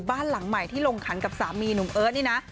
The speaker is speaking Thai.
บ้านหลังใหม่ที่ลงขันกับสามีหนุ่มเอิร์ทนี่นะ